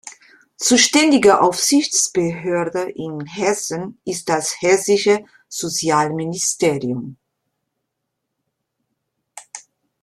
Zuständige Aufsichtsbehörde in Hessen ist das Hessische Sozialministerium.